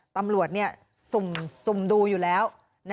ตำรวจสุ่มดูอยู่แล้ว